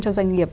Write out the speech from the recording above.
cho doanh nghiệp